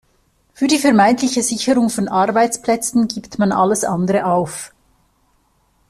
Für die vermeintliche Sicherung von Arbeitsplätzen gibt man alles andere auf.